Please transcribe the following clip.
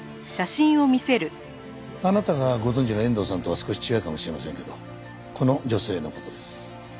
あなたがご存じの遠藤さんとは少し違うかもしれませんけどこの女性の事です。